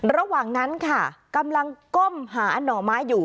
ระหว่างนั้นค่ะกำลังก้มหาหน่อไม้อยู่